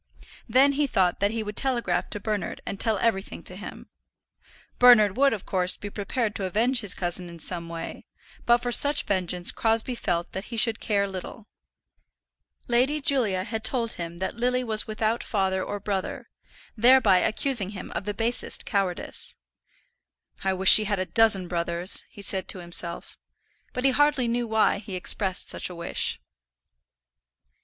Then he thought that he would telegraph to Bernard and tell everything to him. Bernard would, of course, be prepared to avenge his cousin in some way, but for such vengeance Crosbie felt that he should care little. Lady Julia had told him that Lily was without father or brother, thereby accusing him of the basest cowardice. "I wish she had a dozen brothers," he said to himself. But he hardly knew why he expressed such a wish.